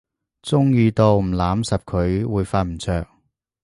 中意到唔攬實佢會瞓唔著